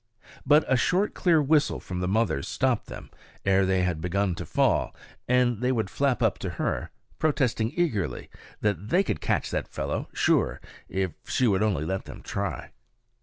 But a short, clear whistle from the mother stopped them ere they had begun to fall; and they would flap up to her, protesting eagerly that they could catch that fellow, sure, if she would only let them try.